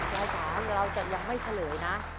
ยายจ๋าเราจะยังไม่เฉลยนะ